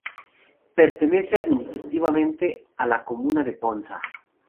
Pertenece administrativamente a la comuna de Ponza.